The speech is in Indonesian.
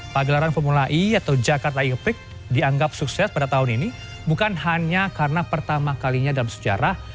pagelaran formula e atau jakarta yo prig dianggap sukses pada tahun ini bukan hanya karena pertama kalinya dalam sejarah